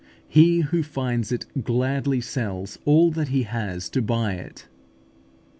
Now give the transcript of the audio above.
He who finds it gladly sells all that he has to buy it (Matt. xiii.